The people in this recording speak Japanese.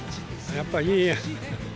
やっぱいいやん。